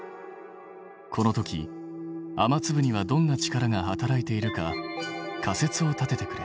この時雨粒にはどんな力が働いているか仮説を立ててくれ。